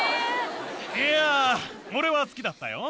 いや俺は好きだったよ。